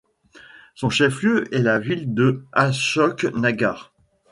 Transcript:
Son chef-lieu est la ville de Ashok Nagar.